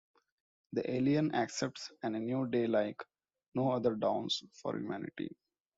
The Alien accepts, and a new day like no other dawns for humanity.